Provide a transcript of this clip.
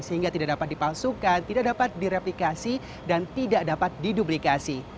sehingga tidak dapat dipalsukan tidak dapat direplikasi dan tidak dapat diduplikasi